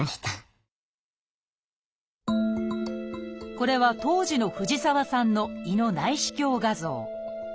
これは当時の藤沢さんの胃の内視鏡画像。